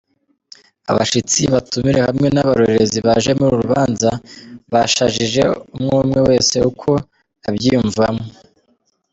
Abashitsi, abatumire hamwe n'abarorerezi baje mu rubanza bashajije umwumwe wese ukwo avyiyumvamwo.